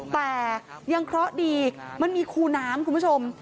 แต่ยังเคราะห์ดีมันมีคูน้ำคุณผู้ชม